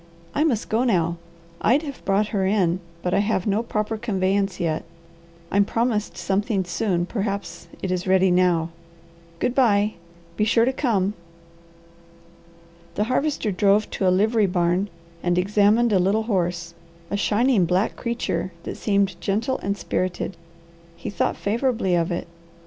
I must go now. I'd have brought her in, but I have no proper conveyance yet. I'm promised something soon, perhaps it is ready now. Good bye! Be sure to come!" The Harvester drove to a livery barn and examined a little horse, a shining black creature that seemed gentle and spirited. He thought favourably of it.